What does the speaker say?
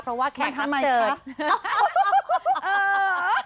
เพราะว่าแขกรับเจิญอ่าห๊อห๊อห๊อห๊อ